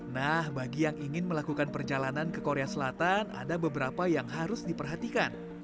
nah bagi yang ingin melakukan perjalanan ke korea selatan ada beberapa yang harus diperhatikan